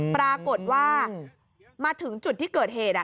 ปรากฏว่ามาถึงจุดที่เกิดเหตุ